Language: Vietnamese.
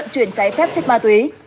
chuyển trái phép chất ma túy